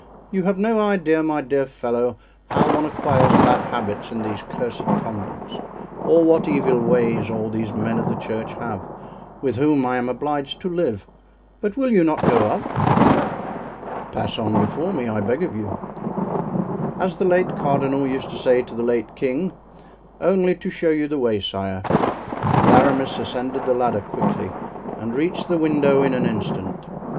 You have no idea, my dear fellow, how one acquires bad habits in these cursed convents, or what evil ways all these men of the church have, with whom I am obliged to live. But will you not go up?" "Pass on before me, I beg of you." "As the late cardinal used to say to the late king, 'only to show you the way, sire.'" And Aramis ascended the ladder quickly and reached the window in an instant.